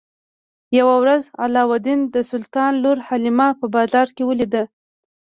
یوه ورځ علاوالدین د سلطان لور حلیمه په بازار کې ولیده.